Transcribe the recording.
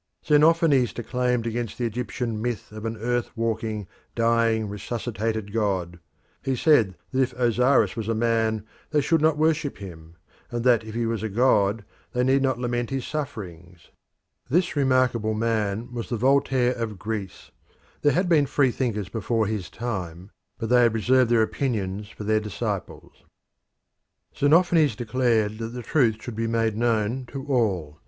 Xenophanes declaimed against the Egyptian myth of an earth walking, dying resuscitated god. He said that if Osiris was a man they should not worship him, and that if he was a god they need not lament his sufferings. This remarkable man was the Voltaire of Greece; there had been free thinkers before his time, but they had reserved their opinions for their disciples. Xenophanes declared that the truth should be made known to all.